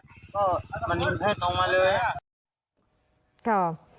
ก็มันยินให้ตรงมาเลยครับ